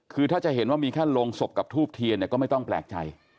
คือถ้าจะเห็นว่ามีแค่โรงศพกับทูบเทียนเนี่ยก็ไม่ต้องแปลกใจ